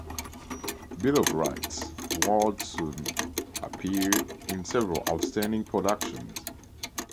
Bill of Rights, Ward soon appeared in several outstanding productions.